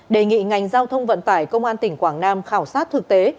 đề nghị ngành giao thông vận tải công an tỉnh quảng nam khảo sát thực tế